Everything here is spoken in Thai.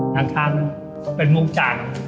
ชามถึงมุมจาก